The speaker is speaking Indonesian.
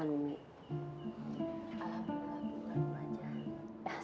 alhamdulillah bantuan aja